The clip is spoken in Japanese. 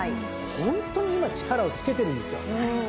ホントに今力をつけてるんですよ。